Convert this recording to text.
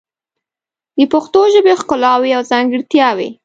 د پښتو ژبې ښکلاوې او ځانګړتیاوې